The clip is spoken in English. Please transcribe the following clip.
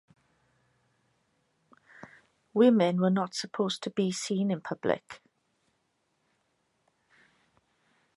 Women were not supposed to be seen in public.